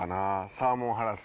サーモンハラス。